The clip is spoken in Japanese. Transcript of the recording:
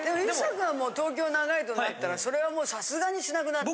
君はもう東京長いとなったらそれはもうさすがにしなくなった？